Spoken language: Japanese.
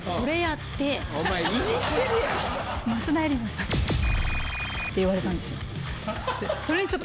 って言われたんですよ。